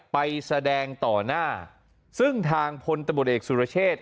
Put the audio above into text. ไปแสดงต่อหน้าซึ่งทางพลตำรวจเอกสุรเชษ